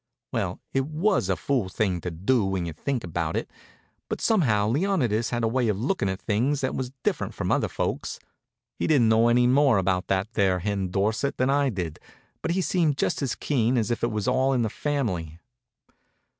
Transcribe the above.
Well, it was a fool thing to do, when you think about it, but somehow Leonidas had a way of lookin' at things that was different from other folks. He didn't know any more about that there Hen Dorsett than I did, but he seemed just as keen as if it was all in the family.